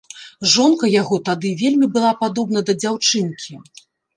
Жонка яго тады вельмі была падобна да дзяўчынкі.